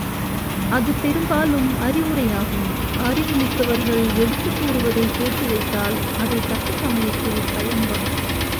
அது பெரும்பாலும் அறிவுரையாகும் அறிவு மிக்கவர்கள் எடுத்துக் கூறுவதைக் கேட்டுவைத்தால் அது தக்க சமயத்தில் பயன்படும்.